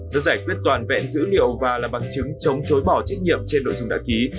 nó giải quyết toàn vẹn dữ liệu và là bằng chứng chống chối bỏ trách nhiệm trên nội dung đã ký